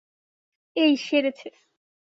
এই, সেরেছে।